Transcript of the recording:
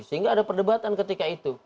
sehingga ada perdebatan ketika itu